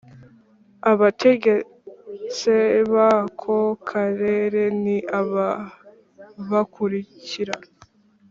Abategetse bako karere ni aba bakulikira